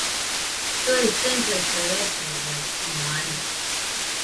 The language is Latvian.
To es cenšos tev ieskaidrot, Jāni.